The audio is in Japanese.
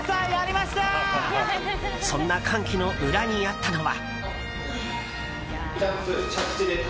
そんな歓喜の裏にあったのは。